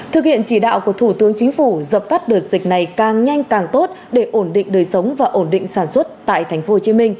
thực hiện chỉ đạo của thủ tướng chính phủ dập tắt đợt dịch này càng nhanh càng tốt để ổn định đời sống và ổn định sản xuất tại tp hcm